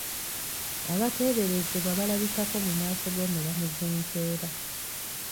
Abateeberezebwa balabikako mu maaso g'omulamuzi enkeera.